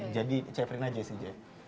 jadi cephrina jessie j